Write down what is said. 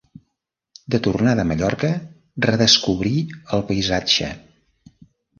De tornada a Mallorca redescobrí el paisatge.